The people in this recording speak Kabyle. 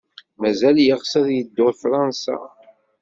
Mazal yeɣs ad yeddu ɣer Fṛansa?